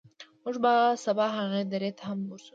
موږ به سبا هغې درې ته هم ورځو.